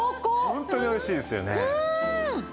ホントにおいしいですよね。